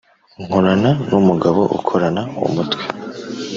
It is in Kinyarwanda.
Nkorana n’umugabo ukorana umwete